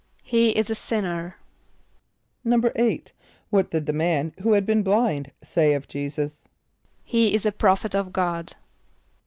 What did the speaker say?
="He is a sinner."= =8.= What did the man who had been blind say of J[=e]´[s+]us? ="He is a prophet of God."